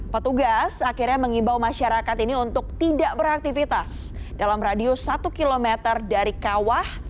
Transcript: petugas akhirnya mengimbau masyarakat ini untuk tidak beraktivitas dalam radius satu km dari kawah